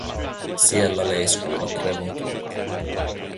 Siellä leiskuivat revontulet.